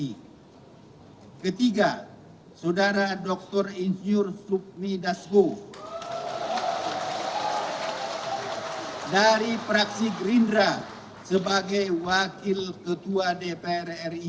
d ketiga saudara dr injur sukmi dasgo dari praksi gerindra sebagai wakil ketua dpr ri